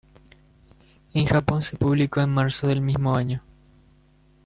En Japón se publicó en marzo del mismo año.